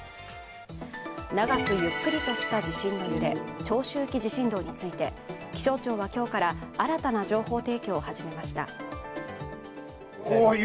長くゆっくりとした地震の揺れ、長周期地震動について、気象庁は今日から新たな情報提供を始めました。